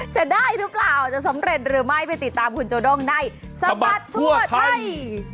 จะได้หรือเปล่าจะสำเร็จหรือไม่ไปติดตามคุณโจด้งในสบัดทั่วไทย